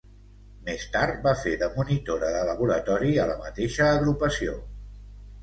Més tard va fer de monitora de laboratori a la mateixa Agrupació.